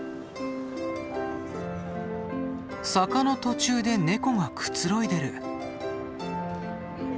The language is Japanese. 坂の途中でネコがくつろいでる。